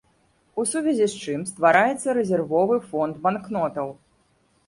У сувязі з чым ствараецца рэзервовы фонд банкнотаў.